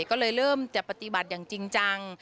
ก็เลยเริ่มจะปฏิบัติอย่างจริงจัง